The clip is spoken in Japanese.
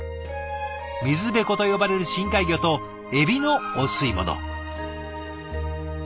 ミズベコと呼ばれる深海魚とエビのお吸い物。